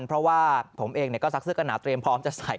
เพราะว่าผมเองก็ซักเสื้อกันหนาวเตรียมพร้อมจะใส่